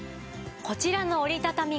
こちらの折りたたみ傘